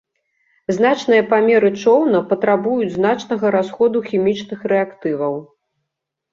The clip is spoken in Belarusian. Значныя памеры чоўна патрабуюць значнага расходу хімічных рэактываў.